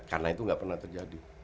karena itu gak pernah terjadi